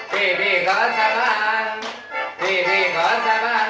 พี่พี่ขอสาบานพี่พี่ขอสาบาน